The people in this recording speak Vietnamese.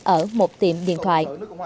ở một tiệm điện thoại